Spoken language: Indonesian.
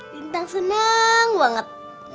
lintang seneng banget